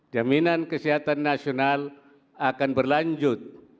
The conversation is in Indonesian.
jaminan kesehatan nasional akan berlanjut